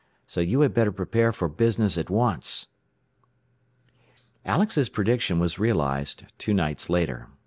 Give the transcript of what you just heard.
So you had better prepare for business at once." Alex's prediction was realized two nights later.